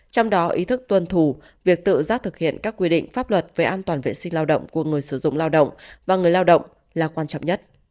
trong đó ý thức tuân thủ việc tự giác thực hiện các quy định pháp luật về an toàn vệ sinh lao động của người sử dụng lao động và người lao động là quan trọng nhất